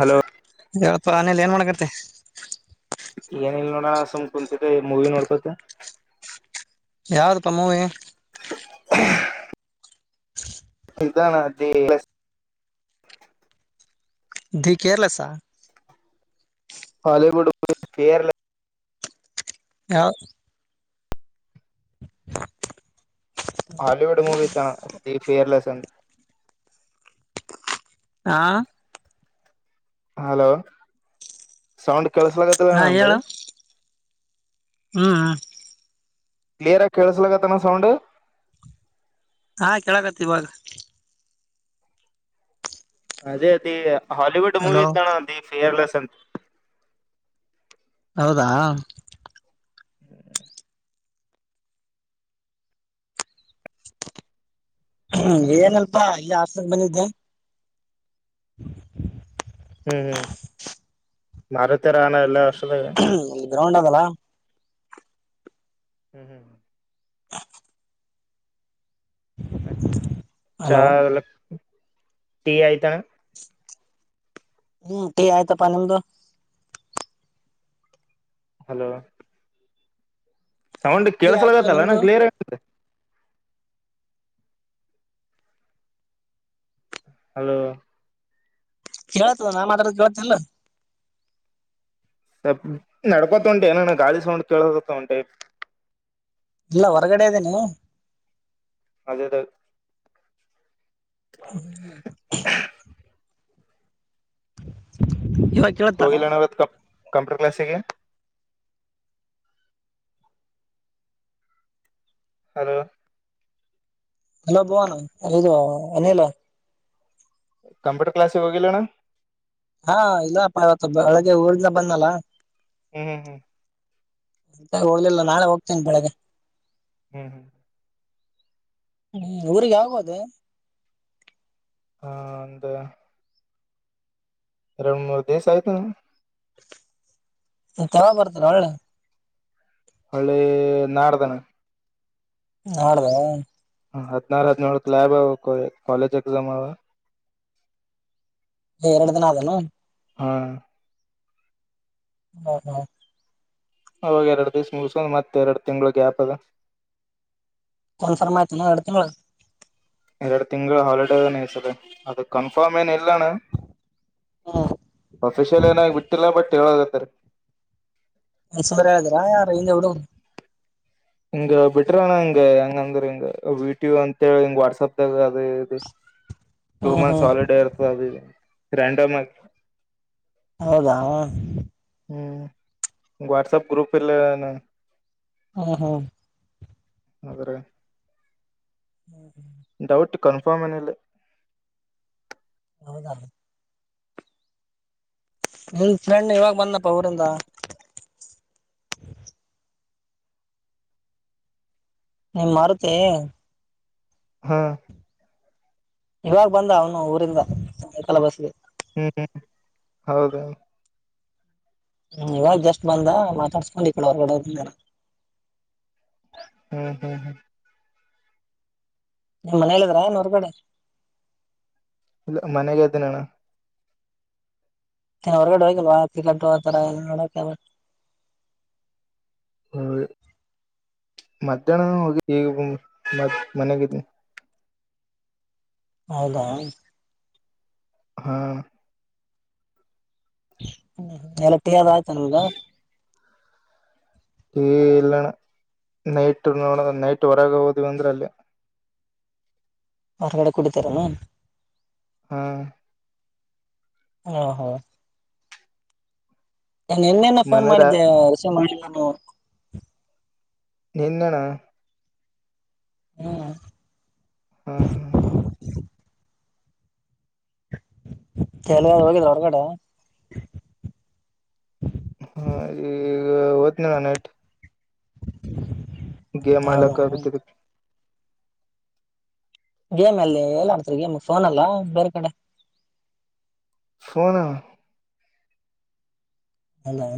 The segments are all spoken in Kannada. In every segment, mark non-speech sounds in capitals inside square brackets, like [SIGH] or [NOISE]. ಹಲೋ ಹೆಳಪ್ಪ ಅನಿಲ್ ಏನ್ ಮಾಡಕತ್ತಿ. ಏನ ಇಲ್ ನೋಡ ಸುಮ್ ಕುಂತಿದ್ ಮೂವಿ ನೋಡ್ಕೋತ. ಯಾವ್ದು ಪಾ movie. [INAUDIBLE] [UNINTELLIGIBLE] ಇದಾನ the plus. The care ಲೆಸ್ಸಾ. ಹಾಲಿವುಡ್ [UNINTELLIGIBLE] ಕೇರಳ. ಯಾವ್ [UNINTELLIGIBLE] ಹಾಲಿವುಡ್ ಮೂವಿವ ಇತಣ್ ದಿಫಿಯರ್ ಲಲೆಸನ್ ಹಾ ಹಲೋ ಸೌಂಡ್ ಕಳ್ಸಲಾಗತ್ತಲ್ಲ ಹಾ ನಂದ. ಹ್ಮ್ ಹ್ಮ್. ಕ್ಲಿಯರ್ ಆಗ ಕೇಳಸಲತನ ಸೌಂಡ. ಹಾ ಕೇಳಕತ್ತ ಇವಾಗ. ಅದೇ ಅಪ್ಪಿ ದಿ ಹಾಲಿವುಡ್ ಮೂವಿ ಹಲೋ ಇ್ದಣ ದಿ ಫೇರ್ಲೆಸ್ ಅಂತ ಹೌದಾ ಹ್ಮ ಹ್ಮ್ ಏನಲ್ಪಾ ಇಲ್ಲಿ ಹಾಸನ್ ಬಂದಿದ್ದೆ ಹ್ಮ್ ಹ್ಮ್ ಮಾರತರ ಅಣ ಎಲ್ಲ ವರ್ಷದ ಹ್ಮ ಅ ಗ್ರೌಂಡ್ ಅದಲ್ಲ ಹ್ಮ್ ಹ್ಮ ಹ್ ಹ [INAUDIBLE] ಹಲೋ ಚಾವಲ ಟೀ ಆಯಿತಾ? ಹ್ಮ್ ಆಯ್ತಪ್ಪಾ ನಿಮ್ದು? ಹಲೋ ಸೌಂಡ್ ಟೀ ಆಯ್ತು ಕೆೇಳಸಲಗತ್ತಲನ ನಿಮ್ದು ಕ್ಲಿಯರ್ ಆಗೆ ಹಲೋ ಕೇಳಳ್ತದ ನಾ ಮಾಡತಾಡದು ಕೇಳ್ತಿತಾ ಇಲ್ವೋ ನಡ್ಕೋತ ಉಂಟೆ ಏನ ಗಾಳಿ ಸೌಂಡ್ ಕೇಳತ್ತ ಉಂಟೆ ಇಲ್ಲ ಹೊರಗಡೆ ಇದೀನಿ ಅದೇದ [UNINTELLIGIBLE] ಹ್ಮ [INAUDIBLE] ಇವಾಗ ಕೇಳತ್ತಾ ತೋಗಿಲ್ಲ ಅಣ್ಣ ಇವತ್ತು ಕಂಪ್ಯೂಟರ್ ಕ್ಲಾಸಿಗೆ ಹಲೋ ಹಲೋ ಭುವನ ಎಲ್ ಇದೆಯೋ ಅನಿಲ ಕಂಪ್ಯೂಟಾರ್ ಕಾಲಸಿಗ್ ಹೋಗಿಲ್ಲಾನ್ನ ಹಾ ಇಲ್ಲಪ್ಪ ಇವತ್ತು ಬೆಳಗ್ಗೆ ಊರಿಂದ ಬಂದಲ್ಲಾ ಹ್ಮ ಹ್ಮ ಹ್ಮ್ ಹೋಗಲಿಲ್ಲ ನಾಳ ಹೋಗ್ತೇನಿ ಬೆಳಗ್ಗೆ ಹ್ಮ್ ಹ್ಮ್ ಹ್ಮ ಊರಿಗ್ ಯಾವಗೋದೇ ಹ ಅಂತ ಎರಡು ಮೂರ್ ದಿವಸ ಆಯ್ತು ತರ ಬರ್ತಾರ ಒಳ್ಳ ಒಳ್ಳೆ ನಾಡ್ದ ಹಾ್ದ [UNINTELLIGIBLE] ಹ ಹದ್ರು ಹದ್ಳುಕ್ ಲ್ಯಾಬ್ ಅವ ಕಾಲೇಜ್ ಎಕ್ಸಾಮ್ ಅವ ಇನ್ನು ಎರಡು ದಿನ ಆದನು ಹಾ ಹಾಂ ಹಾಂ ಅವಾಗ ಎರಡ್ ದಿವಸ ಮುಗಸಕೊಂಡ್ ಮತ್ತೆ ಎರಡು ತಿಂಗಳ್ ಗ್ಯಾಪ್ ಅದಾ ಕನ್ಫರ್ಮ ಅಯ್ತೇನು ಎರ್ಡ ತಿಂಗ್ಳ್ ಎರಡು ತಿಂಗಳು ಹಾಲಿಡೇತದೆ ಅದಕ್ಕೆ ಕನ್ಫರ್ಮ್ ಏನ್ ಇಲ್ಲಣ್ಣ ಹ್ಮ್ ಅಫಿಷಿಯಲ್ ಏನಾಗ ಬಿಟ್ಟಿಲ್ಲ ಬಟ್ ಹೇಳಾಗತ್ತರಿ ಮನ್ಸು ಬರಯ ಆದ್ರಾ ಯಾರಿಂದ ಹಡ [UNINTELLIGIBLE] ಹಿಂಗ ಬಿಟ್ರಣ ಹಂಗ ಹೆಂಗ ಅಂದ್ರ ಹಿಂಗ ವೀಟೂ ಅಂತಿ ಹಿಂಗ ವಾಟ್ಸಪದಾಗ ಅದ ಇ [INAUDIBLE] ಟೂ ಮಂತ್ಸ್ ಹ್ಮ್ ಹಾಲಿಡೇ ಇರ್ತದೆ ಅದು ರಾಂಡಮ್ ಆಗೀ ಹೌದಾ? ಹ್ಮ್ ವಾಟ್ಸಪ್ ಗ್ರೂಪ್ ಇಲ್ಲ ಹಾ ಹಾ ಆದ್ರ ಹ್ಮ್ ಡೌಟ್ ಕನ್ಫರ್ಮ್ ಏನಿಲ್ಲ ಹೌದಾ? ನಿಮ ಫ್ರೆಂಡ್ ಇವಾಗ ಬನ್ನಪ್ಪ ಊರಿಂದಾ ಏನ್ ಮಾರುತಿ ಹಾ ಇವಾಗ ಬಂದ ಅವನು ಊರಿಂದ ಸಾಯಂಕಾಲ್ ಬಸ್ಗೆ ಹ್ಮ್ ಹೌದೌದು ಹ್ಮ್ ಇವಾಗ ಜಸ್ಟ್ ಬಂದ ಮಾತಾಡ್ಸ್ಕೊಂಡು ಈಕಡೆ ಹೊರಗಡೆ ಹೋಗಿದಾನ್ ಹ್ಮ್ ಹ್ಮ್ ಹ್ಮ್ ನಿಮ್ ಮನೆಗಿದಿರಾ ಹೊರಗಡೆ? ಇಲ್ಲ ಮನ್ಯಾಗೆ ಇದ್ದೀನ್ ಅಣ್ಣಾ. ಏನ್ ಹೊರಗಡೆ ಹೋಗಿಲ್ವಾ [UNINTELLIGIBLE] ನೋಡಕೇ ಹೋಗಿಲ್ಲ ಮಧ್ಯಾಹ್ನನ ಹೋಗಿ ಈಗ್ ಮ್ ಮನ್ಯಾಗಿದೀನಿ ಹೌದಾ ಹಾ ಹ್ಮ್ ಎಲ್ಲ ಟಿ ಅದು ಆಯ್ತ ನಿಮ್ದ? ಟಿ ಇಲ್ಲಣ ನೈಟ್ ನೋಡದ ನೈಟ್ ಹೊರಗ ಹೋದ್ವಿ ಅಂದ್ರ ಅಲ್ಲೆ. ಹೊರಗಡೆ ಕುಡಿತಿರ್ ಏನ್? ಹ್ಮ ಹಾ ಹಾ ಏ ನಿನ್ನೆನ್ನ ಫೋನ್ ಮನರ ಮಾಡಿದ್ದೆ ರಿಸೀವ್ ಮಾಡಿಲ್ಲಲ್ಲೊ. ನಿನ್ನಣ ಹ್ಮ್ ಹಾ ಹಾ ಹಾ ಎಲ್ಲೆಲ್ ಹೋಗಿಲ್ಲ ಹೊರಗಡೆ? ಹಾ ಈಗ ಹೊತ್ನಿ ಅಣ್ಣಾ ನೈಟ್ [UNINTELLIGIBLE] ಗೇಮ್ ಹೌದಾ ಆಡ್ಲಾಕ್ ಅದಕ್ ಇದಕ್ಕ ಗೇಮ್ ಏಲ್ಲಿ ಏಲ್ಲ ಆಡ್ತೀರಿ ಗೇಮ್ ಫೋನ್ ಅಲ್ಲಾ ಬೇರೆ ಕಡೆ? ಫೋನ್ ಅಣ್ಣಾ. ಅಲ್ಲಾ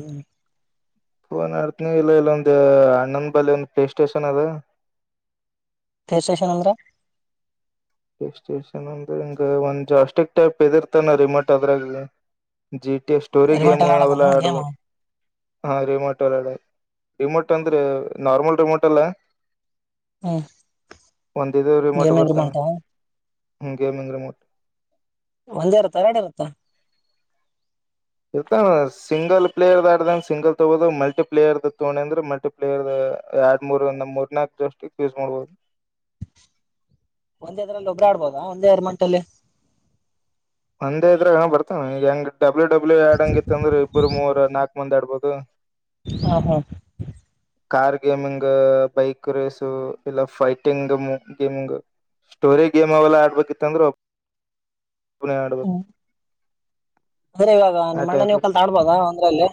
ಫೋನ್ ಆಡ್ತೇನು ಇಲ್ಲ ಇಲ್ಲೊಂದು ಅಣ್ಣಂದ ಬಲ್ಲಿ ಒಂದ್ ಪ್ಲೇ ಸ್ಟೇಷನ್ ಅದ ಪೇ ಸ್ಟೇಷನ್ ಅಂದ್ರ ಪ್ಲೇ ಸ್ಟೇಷನ್ ಅಂದ್ರ ಹಿಂಗ ಒಂದ್ ಅ ಸ್ಟಿಕ್ ಟೈಪ್ ಇದ ಇರ್ತದ ಅಣ್ಣಾ ರಿಮೋಟ್ ಅದ್ರಾಗೆ G T A story remote game ಅಲ್ಲಿ ಅವೆಲ್ಲ ಆಡೋದನು ಗೇಮ್ ಆಡದು. ಹಾ ರಿಮೋಟ ಅಲ್ಲ ಆಡದು ರಿಮೋಟ್ ಅಂದ್ರೆ ನಾರ್ಮಲ್ ರಿಮೋಟ್ ಅಲ್ಲಾ ಹ್ಮ್ ಒಂದ ಇದು ರಿಮೋಟ್ ಬರ್ತ ಅಣ್ಣಾ ಗೇಮಿಂದ ರಿಮೋಟ್- ಒಂದೇ ಇರುತ್ತ ಎರಡು ಇರುತ್ತಾ? ಇರ್ತ ಸಿಂಗಲ್ ಪ್ಲೇಯರ್ದ ಆಡ್ದಂಗ ಸಿಂಗಲ್ ತೋಗೋದು ಮಲ್ಟಿಪ್ಲೇಯರ್ದ ತೋಣಿ ಅಂದ್ರ ಮಲ್ಟಿಪ್ಲ್ ಪ್ಲೇಯರ್ದ ಎರಡ್ ಮೂರ್ಂದ ಮೂರ್ ನಾಕ್ ಸ್ಟಿಕ್ ಯುಸ್ ಮಾಡ್ಬೋದ. ಒಂದ್ ಇದ್ರಲ್ಲಿ ಒಬ್ಬರು ಆಡ್ಬೋದ ಒಂದ ಎರ ಮಂಟಲ್ಲಿ. ಒಂದೇ ಇದ್ರೆ ಬರ್ತಾನ ಈ ಹೆಂಗ ಡಬ್ಲ್ಯೂ ಡಬ್ಲ್ಯೂ ಆಡಂಗಿತ್ತಂದ್ರೆ ಇಬ್ಬರು ಮೂರ್ ನಾಕ ಮಂದಿ ಆಡ್ಬೋದು. ಹಾ ಹಾ. ಕಾರ್ ಗೇಮಿಂಗ್ ಬೈಕ್ ರೇಸು ಇಲ್ಲ ಫೈಟಿಂಗ್ ಗೇಮಿಂಗ್. ಸ್ಟೋರಿ ಗೇಮ್ ಅವೆಲ್ಲಾ ಆಡಬೇಕಿತ್ತಂದ್ರ. ಪಣ ಆಡ್ಬೇಕು. ಅಂದ್ರೆ ಇವಾಗ ಆ ನಿಮ್ಮಣ್ಣ ಟೈಪ್ ನೀವು ಕಲ್ತ ಆಡ್ಬೋದ ಒಂದ್ರಲ್ಲಿ.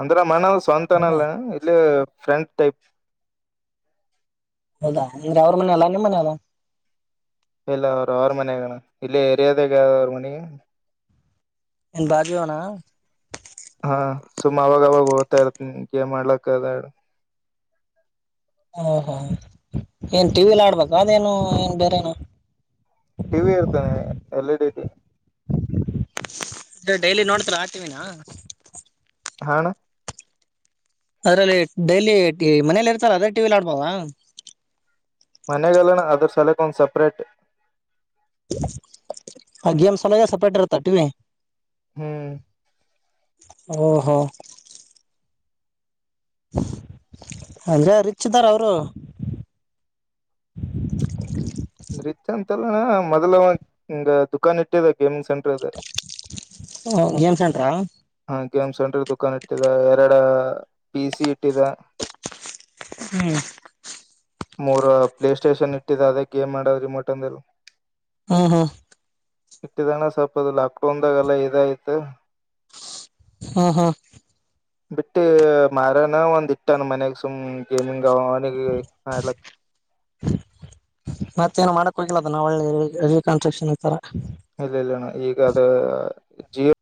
ಅಂದ್ರ ನಮಣ್ಣ ಹೌದಾ ಸ್ವಂತನಲ್ಲ ಇಲ್ಲೇ ಫ್ರೆಂಡ ಟೈಪ್ ಹೌದಾ ಅಂದ್ರ ಅವ್ರ ಮನೆ ಅಲ್ಲ ನಿಮ್ಮ್ ಮನೆ ಅಲ್ಲ. ಇಲ್ಲ ಅವರು ಅವರ ಮನ್ಯಾಗ ಅಣ್ಣಾ ಇಲ್ಲಿ ಏರಿಯಾದಾಗ್ ಅವ್ರ ಮನಿ. ನಿನ್ ಬಾಜು ಅಣ್ಣಾ. ಹಾ ಸುಮ್ಮ್ ಅವಾಗ ಅವಾಗ ಹೋಗ್ತಾ ಇರ್ತನ ಗೇಮ್ ಅಡ್ಲಾಕ್ ಅದ ಓಹೋ ಏನ್ ಟಿವಿಲಿ ಆಡ್ಬೇಕು ಅದೇನು ಏನ್ ಬೇರೆೇ ಏನು. ಟಿವಿ ಇರ್ತಣ್ಣಾ L E D T daily ನೋಡ್ತರ ಆ ಟಿ ವಿ ನಾ. ಹಾ ಅಣ್ಣಾ. ಅದ್ರಲ್ಲಿ ಡೈಲಿ ಟಿ ಮನೇಲಿ ಇರ್ತಾರ ಅದೇ ಟಿವಿಲಿ ಆಡ್ಬೋದ. ಮನೆಲ ಇಲ್ಲ ಅಣ್ಣಾ ಅದ್ರ ಸಲಕ್ ಒಂದ್ ಸಪ್ರೇಟ್. ಹ ಗೇಮ್ಸ್ ಸಲವಾಗಿ ಸಪ್ರೇಟ್ ಇರುತ್ತ ಟಿವಿ. ಹ್ಮ್. ಓಹೋ. ಅಂದ್ರ ರಿಚ್ ಅದಾರ ಅವರು. [INAUDIBLE] ರಿಚ್ ಅಂತಲ್ಲಣ ಮೊದಲ ದುಖಾನ್ ಇಟ್ಟಿದೆ ಗೇಮಿಂಗ್ ಸೆಂಟರ್ ಅದ ಹ ಗೇಮ್ಸ್ ಸೆಂಟ್ರ. ಹಾ ಗೇಮ್ ಸೆಂಟ್ರ ದುಖಾನ್ ಇಟ್ಟಿದ ಎರಡ ಪಿ ಸಿ ಇಟ್ಟಿದ. ಹ್ಮ್. ಮೂರ ಪ್ಲೇಟೇಷನ್ ಇಟ್ಟಿದ ಅದೇ ಗೇಮ್ ಮಾಡೋ್ ರಿಮೋಟ್ ಅಂದ. ಹ್ಮ್ ಹ್ಮ್. ಇಟ್ಟಿದಣ್ಣ ಸ್ವಪ ಅದು ಲಾಕ್ಡೌನ್ದಾಗಲ್ಲ ಇದಾಯ್ತು. ಹ್ ಹ. ಬಿಟ್ಟ ಮಾರಾನ ಒಂದ್ ಇಟ್ಟಾನ ಮನ್ಯಾಗ ಸುಮ್ ಗೇಮಿಂಗ್ ಅವ ಅವನಿಗೆ ಆಡ್ಲಕ್. ಮತ್ತೇನು ಮಾಡಕ್ ಹೋಗಿಲ್ಲದ ನಾ ಒಳ್ಳೆ ರಿ ಕನ್ಸ್ಟ್ರಕ್ಷನ್ ಆತರ. ಇಲ್ಲ ಇಲ್ಲಣ್ಣ ಈಗ ಅದ ಜ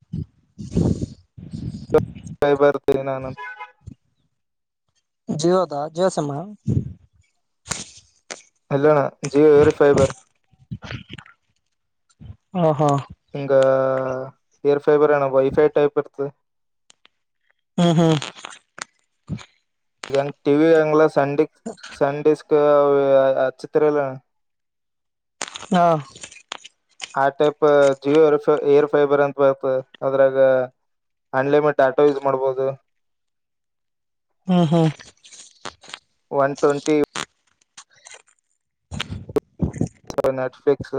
ಕೈ ಬರ್ತ ನಾನಂತ. ಜೀವೋದ ಜಿಯೋ ಸಿಮ್. ಇಲ್ಲಣ್ಣ ಜಿಯೋ ಏರಿ ಫೈಬರ್. ಹ ಹಾ. ಹಿಂಗ ಏರ್ ಫೈಬರ್ ಏನ ವೈಫೈ ಟೈಪ್ ಇರ್ತ. ಹ್ಮ ಹ್ಮ. ಹೆಂಗ್ ಟಿವಿ ಹೆಂಗಲ್ಲ ಸ ಸನ್ ಡಿಸ್ಕ್ ಅಚ್ಚತ್ರರಲ್ಲ. ಹಾ. ಆ ಟೈಪ್ ಜಿಯೋ ರ್ ಏರ್ ಫೈಬರ್ ಅಂತ ಬರ್ತ ಅದ್ರಾಗ. ಅನ್ಲಿಮಿಟ್ ಡಾಟಾ ಯೂಸ್ ಮಾಡ್ಬೋದು. ಹ್ಮ್ ಹ್ಮ್. ಒನ್ ಟ್ವೆಂಟಿ ನೆಟ್ಫ್ಲಪಿಕ್ಸ್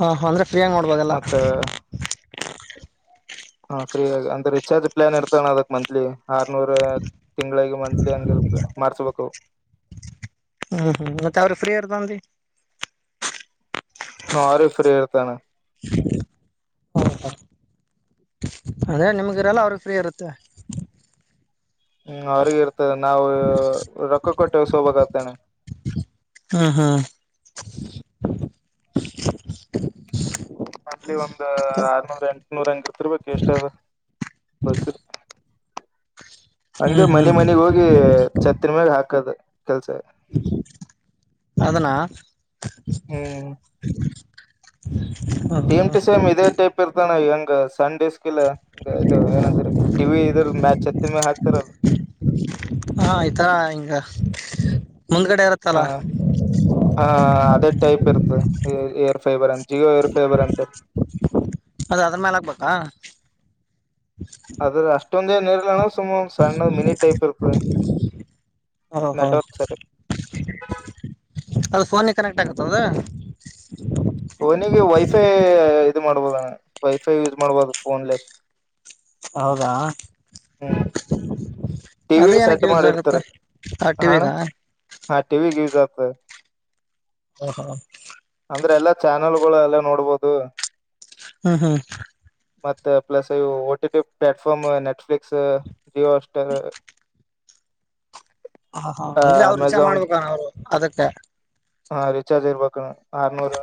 ಹಾ ಅಂದ್ರೆ ಫ್ರೀಯಾಗಿ ಮಾಡಬೋದೆಲ್ಲ ಮತ್ತ ಹಾ ಫ್ರೀಯಗ ಅಂದ್ರ ರೀಚಾರ್ಜ್ ಪ್ಲಾನ್ ಇರ್ತಾನಣ ಅದಕ್ ಮಂತ್ಲಿ ಆರ್ನೂರ್ ತಿಂಗಳಿಗೆ ಮಂತ್ಲಿ ಹೆಂಗಿರುತ್ತದೆ ಮಾರ್ಸ್ಬೇಕು ಹ್ಮ್ ಹ್ಮ್ ಮತ್ತೆ ಅವ್ರ ಫ್ರೀ ಅಂದ್ರಿ ನ ಆರು ಫ್ರೀ ಇರ್ತಾನ ಹ್ಮ [UNINTELLIGIBLE] ಅಂದ್ರೆ ನಿಮ್ಗ ಇರಲ್ಲ ಅವ್ರಗ್ ಫ್ರೀ ಇರುತ್ತೆ ಹ್ಮ್ ಅವ್ರಗ ಇರ್ತದೆ ನಾವು ರೊಕ್ಕ ಕೊಟ್ಟೆ ಸ ಹಬಕ್ತೇನೆ ಹಾ ಹಾ ಮಂತ್ಲಿ ಒಂದ್ ಆರ್ನೂರ ಎಂಟುನೂರ ಅಂತಕತಿರ್ಬೇಕು ಎಷ್ಟ ಅದು ಮತ್ತ [UNINTELLIGIBLE] ಹಂಗಗೆ ಹ್ಮ್ ಮನಿ ಹ್ಮ್ ಮನಿಗಿ ಹೋಗಿ ಚತ್ತಿನ ಮ್ಯಾಗ ಹಾಕದು ಕೆಲ್ಸ ಅದನ್ನ ಹ್ಮ್ ಹ ಹಾ ತಾನ ಎಂಗ ಸಂಡೇಸ್ [UNINTELLIGIBLE] ಹಾಕಿಲ್ಲ ಇದು ಏನಂತರ ಟಿವಿ ಇದ್ರದು ಚತ್ತಿನ ಮ್ಯಾಲ ಹಾಕ್ತಾರಲ್ಲ ಹಾ ಆಯ್ತಾ ಹಿಂಗ ಮುಂದ್ಗಡೆ ಇರುತ್ತಲ್ಲ ಹಾ ಹಾ ಅದೇ ಟೈಪ್ ಇರ್ತದೆ ಏರ್ ಫೇಬರ್ ಅಂತ ಜಿಯೋ ಏರ್ ಫೇಬರ್ ಅಂತ ಅದ ಅದ್ರ ಮೇಲೆ ಹಾಕ್ಬೇಕಾ ಅದ್ರ ಅಷ್ಟೊಂದ ಏ ನೀರ್ಲ್ಲಣ ಸುಮ್ ಒಂದ ಸಣ್ಣ ಮಿನಿ ಟೈಪ್ ಇರ್ತ ಓಹೋ ಅದು ಫೋನ್ಗೆ ಕನೆಕ್ಟ್ ಆಗುತ್ತದ ಫೋನಿಗೆ ವೈಫೈ ಇದು ಮಾಡ್ಬೋದ ಅಣ್ಣ ವೈಫೈ ಯೂಸ್ ಮಾಡ್ಬೋದು ಫೋನ್ಲೆಸ್ ಹೌದ ಹ್ಮ್ ಅದು ಟಿವಿಗೆ ಏನಕ್ಕೆ ಸೆಟ್ ಯೂಸ್ ಆಗುತ್ತೆ ಮಾಡಿರ್ತಾರೆ ಆ ಟಿವಿಗಾ ಆ ಟಿವಿಗಿ ಯೂಸ್ ಆತದ ಹ ಹಾ ಅಂದ್ರೆ ಎಲ್ಲಾ ಚಾನೆಲ್ ಗಳು ಎಲ್ಲ ನೋಡ್ಬಹದು ಹ್ಮ ಹ್ಮ್ ಮತ್ತೆ ಪ್ಲಸ್ ಇವು O T T platform Netflix Jio ಹಾಸ್ಟೆರ್ ಹ ಹಾ ಅಂದ್ರೆ ಅವ್ರ್ ರಿಚಾರ್ಜ್ ಮಾಡ್ಬೇಕ ಅವ್ರು ಅದಕ್ಕೆ ಹಾಂರಿಚಾರ್ಜ್ರ್ ಆ ಅನೂರು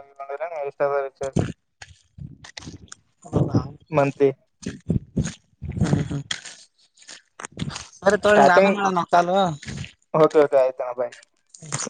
ಮಂತ್ಲಿ ಹ್ಮ ಹ್ಮ [UNINTELLIGIBLE] ಅರಿ ತೊಳಿ ಸ್ಟಾರ್ಟಿಂಗ್ ನಾಮನ್ ಮಾಡಣ ಕಾಲು [UNINTELLIGIBLE] ಓಕೆ ಓಕೆ ಆಯ್ತ್ ಅಣ್ಣ ಬಾಯ್ ಹಾ [UNINTELLIGIBLE]